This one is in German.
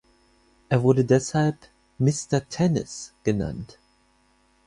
Er wurde deshalb „Mister Tennis“ genannt.